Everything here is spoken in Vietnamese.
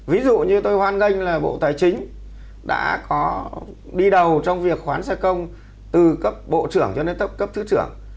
ví dụ như tôi hoan nghênh là bộ tài chính đã có đi đầu trong việc khoán xe công từ cấp bộ trưởng cho đến cấp thứ trưởng